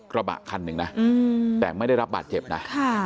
กระบะคันหนึ่งนะแต่ไม่ได้รับบาดเจ็บนะ